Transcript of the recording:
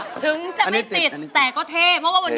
ด้านล่างเขาก็มีความรักให้กันนั่งหน้าตาชื่นบานมากเลยนะคะ